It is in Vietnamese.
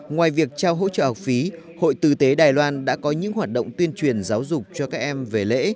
ngoài việc trao hỗ trợ học phí hội tư tế đài loan đã có những hoạt động tuyên truyền giáo dục cho các em về lễ